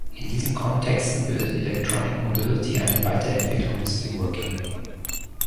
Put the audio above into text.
In diesen Kontexten bildet Electronic Mobility eine Weiterentwicklung des E-Working.